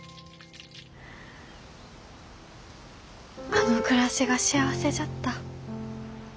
あの暮らしが幸せじゃった。